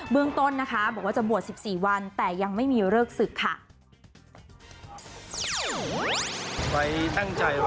เรื่องต้นนะคะบอกว่าจะบวช๑๔วันแต่ยังไม่มีเลิกศึกค่ะ